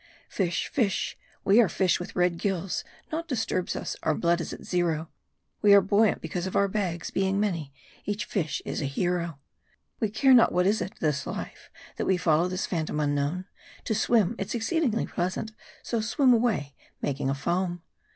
Fish, Fish, we are fish with red gills ; Naught disturbs us, our blood is at zero : We are buoyant because of our bags, Being many, each fish is a hero. We care not what is it, this life That we follow, this phantom unknown : To swim, it's exceedingly pleasant, So swim away, making a foam.